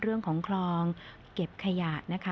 เรื่องของคลองเก็บขยะนะคะ